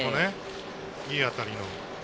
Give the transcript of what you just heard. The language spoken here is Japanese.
いい当たり。